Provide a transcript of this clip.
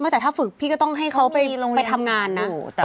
ไม่แต่ถ้าฝึกพี่ก็ต้องให้เขาไปทำงานนะเขามีโรงเรียนอยู่